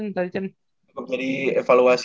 jadi evaluasi juga lah ya buat kasih feedback